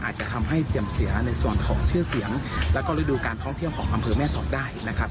อาจจะทำให้เสื่อมเสียในส่วนของชื่อเสียงแล้วก็ฤดูการท่องเที่ยวของอำเภอแม่สอดได้นะครับ